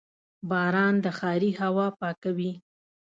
• باران د ښاري هوا پاکوي.